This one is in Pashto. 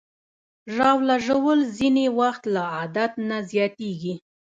ژاوله ژوول ځینې وخت له عادت نه زیاتېږي.